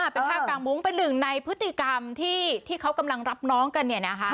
เป็นท่ากางมุ้งเป็นหนึ่งในพฤติกรรมที่เขากำลังรับน้องกัน